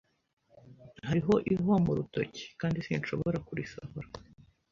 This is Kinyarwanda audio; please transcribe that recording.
Hariho ihwa mu rutoki kandi sinshobora kurisohora.